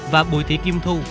và bụi thị kim thu